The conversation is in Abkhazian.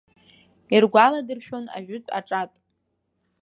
Иргәаладыршәон ажәытә-аҿатә.